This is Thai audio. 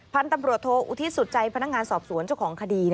พันธุ์ตำรวจโทอุทิศสุดใจพนักงานสอบสวนเจ้าของคดี